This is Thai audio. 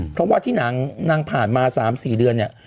เพราะว่าที่นางผ่านมา๓๔เดือนเนี่ย